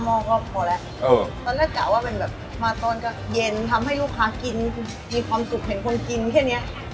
ตอนแรกกลัวว่ามาตอนก็เย็นทำให้ลูกค้ากินมีความสุขเห็นคนกินแค่เนี่ย